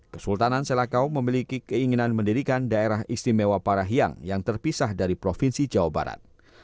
kesultanan selakau memiliki keinginan mendirikan daerah istimewa parahyang yang terpisah dari provinsi jawa barat